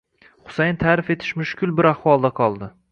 Xusayin ta'rif etish mushkul bir ahvolda qoldi.